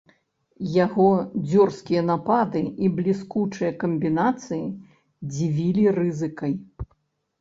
Яго дзёрзкія напады і бліскучыя камбінацыі дзівілі рызыкай.